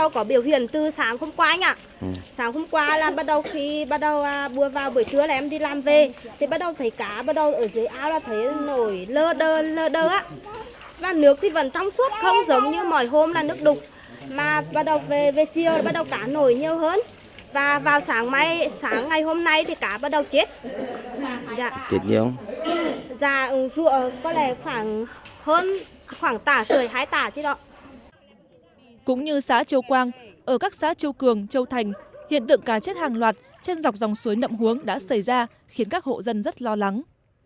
cũng như xã châu quang ở các xã châu cường châu thành hiện tượng cá chết hàng loạt trên dọc dòng suối nậm huống đã xảy ra khiến các hộ dân rất lo lắng